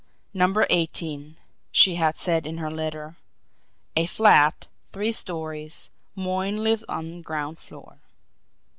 "Number eighteen," she had said in her letter. "A flat three stories Moyne lives on ground floor."